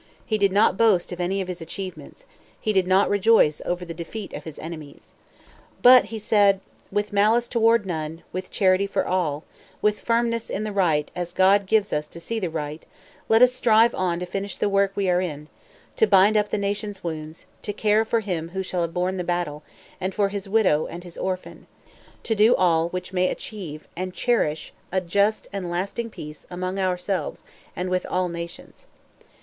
He did not boast of any of his achievements; he did not rejoice over the defeat of his enemies. But he said: "With malice toward none; with charity for all; with firmness in the right, as God gives us to see the right, let us strive on to finish the work we are in; to bind up the nation's wounds; to care for him who shall have borne the battle, and for his widow and his orphan to do all which may achieve and cherish a just and lasting peace among ourselves and with all nations."